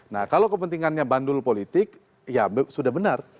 nah kalau kepentingannya bandul politik ya sudah benar